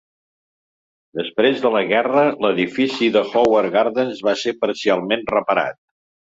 Després de la guerra, l'edifici de Howard Gardens va ser parcialment reparat.